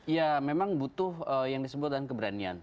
ya memang butuh yang disebut dengan keberanian